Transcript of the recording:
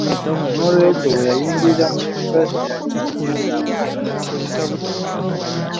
N’olwekyo we yayingirira mu yunivasite yali musiwuufumu katonotono.